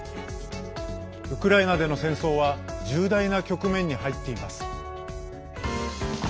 ウクライナでの戦争は重大な局面に入っています。